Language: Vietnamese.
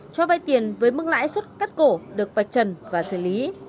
cho vay tiền với mức lãi xuất cắt cổ được vạch trần và xử lý